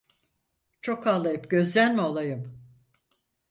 Çok ağlayıp gözden mi olayım?